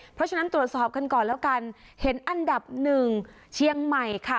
เพราะฉะนั้นตรวจสอบกันก่อนแล้วกันเห็นอันดับหนึ่งเชียงใหม่ค่ะ